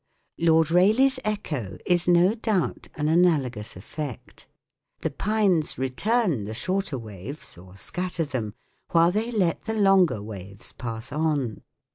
Lord Rayleigh's echo is no doubt an analogous effect : the pines return the shorter waves or scatter them, while they let the longer waves pass 128 THE WORLD OF SOUND on.